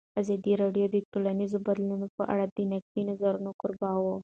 ازادي راډیو د ټولنیز بدلون په اړه د نقدي نظرونو کوربه وه.